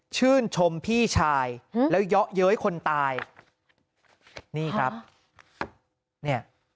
ชื่นชมพี่ชายแล้วเยาะเย้ยคนตายนี่ครับเนี่ย